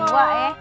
obat juga ya